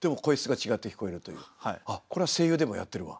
あっこれは声優でもやってるわ。